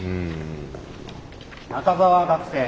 中澤学生。